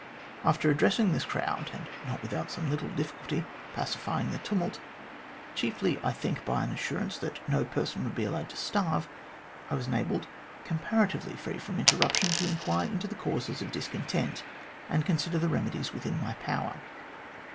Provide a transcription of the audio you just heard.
After addressing this crowd, and not without some little difficulty pacifying the tumult, chiefly I think by an assur ance that no person would be allowed to starve, I was enabled, comparatively free from interruption, to inquire into the causes of discontent, and consider the remedies within my power.